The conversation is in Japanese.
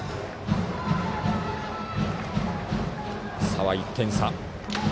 差は１点差。